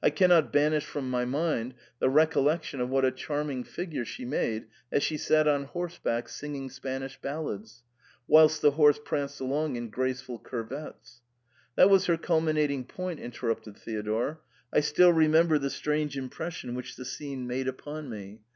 I cannot banish from my mind the recollection of what a charming fig ure she made as she sat on horseback singing Spanish ballads, whilst the horse pranced along in graceful cur vets." "That was her culminating point," interrupted Theodore ;" I still remember the strange impression which the scene made upon me.